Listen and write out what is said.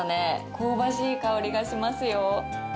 香ばしい香りがしますよ。